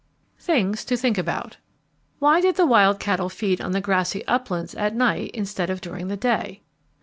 THINGS TO THINK ABOUT Why did the wild cattle feed on the grassy uplands at night instead of during the day?